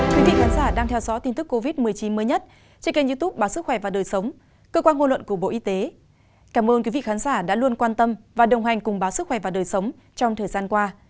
cảm ơn quý vị khán giả đã luôn quan tâm và đồng hành cùng báo sức khỏe và đời sống trong thời gian qua